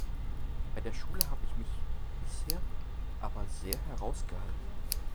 Bei der Schule habe ich mich bisher aber sehr heraus gehalten.